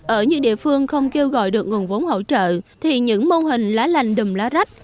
ở những địa phương không kêu gọi được nguồn vốn hỗ trợ thì những mô hình lá lành đùm lá rách